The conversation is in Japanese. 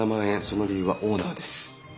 その理由はオーナーです。